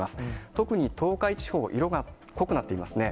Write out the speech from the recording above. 特に東海地方、色が濃くなっていますね。